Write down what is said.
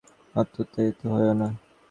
অত উত্তেজিত হোয়ো না।